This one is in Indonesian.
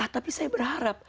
tapi saya berharap